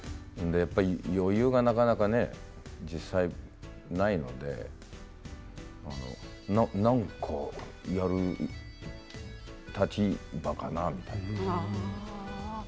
余裕がなかなか実際ないので何か、やる立場かなみたいな。